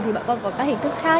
thì bọn con có các hình thức khác